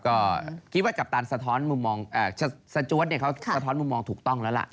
ก็คิดว่ากัปตันสะจวดเขาสะท้อนมุมมองถูกต้องแล้วล่ะ